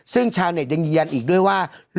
ซึ่งชาวเน็ตยังยืนยันอีกด้วยว่า